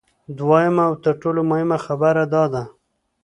دویمه او تر ټولو مهمه خبره دا ده